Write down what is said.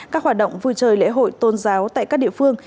các hoạt động vui chơi lễ hội tôn giáo tại các địa phương